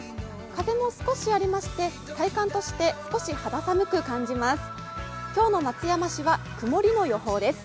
風も少しありまして、体感として少し肌寒く感じます。